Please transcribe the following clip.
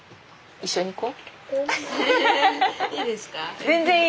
一緒に行こう。